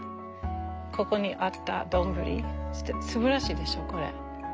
ここにあった丼すばらしいでしょこれ。